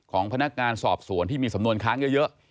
ของพนักงานสอบสวนที่มีสำนวนค้างเยอะ